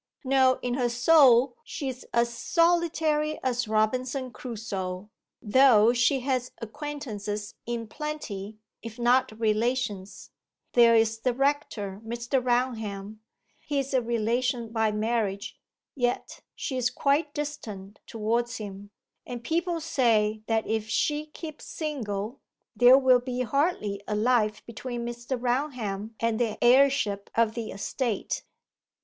No, in her soul she's as solitary as Robinson Crusoe, though she has acquaintances in plenty, if not relations. There's the rector, Mr. Raunham he's a relation by marriage yet she's quite distant towards him. And people say that if she keeps single there will be hardly a life between Mr. Raunham and the heirship of the estate.